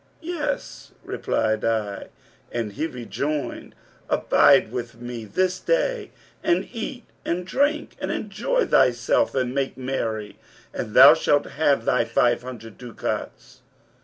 'Yes,' replied I; and he rejoined, 'Abide with me this day and eat and drink and enjoy thyself and make merry, and thou shalt have thy five hundred ducats.'